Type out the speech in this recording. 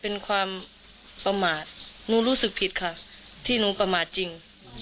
เป็นความประมาทหนูรู้สึกผิดค่ะที่หนูประมาทจริง